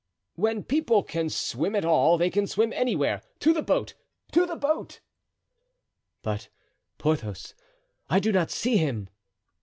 "When people can swim at all they can swim anywhere. To the boat! to the boat!" "But Porthos, I do not see him."